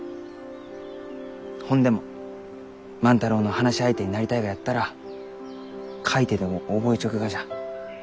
ほんでも万太郎の話し相手になりたいがやったら書いてでも覚えちょくがじゃ。